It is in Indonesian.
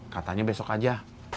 katanya besok aja